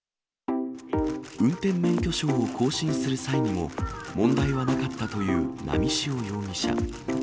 運転免許証を更新する際にも、問題はなかったという波汐容疑者。